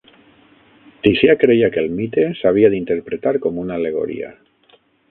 Ticià creia que el mite s'havia d'interpretar com una al·legoria.